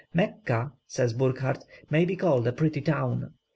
"Mecca," says Burckhardt, "may be called a pretty town.